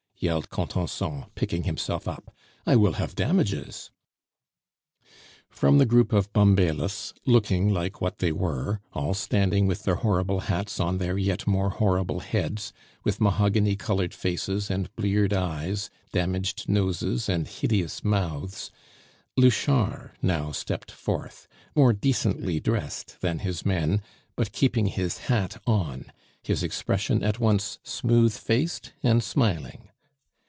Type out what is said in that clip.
yelled Contenson, picking himself up; "I will have damages!" From the group of bumbailiffs, looking like what they were, all standing with their horrible hats on their yet more horrible heads, with mahogany colored faces and bleared eyes, damaged noses, and hideous mouths, Louchard now stepped forth, more decently dressed than his men, but keeping his hat on, his expression at once smooth faced and smiling.